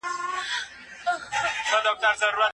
مېلمه پالنه زموږ د خلکو صفت دی.